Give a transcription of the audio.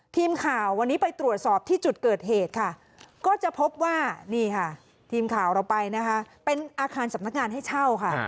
ทีมข่าววันนี้ไปตรวจสอบที่จุดเกิดเหตุค่ะก็จะพบว่านี่ค่ะทีมข่าวเราไปนะคะเป็นอาคารสำนักงานให้เช่าค่ะ